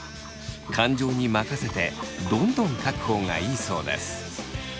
感情に任せてどんどん書く方がいいそうです。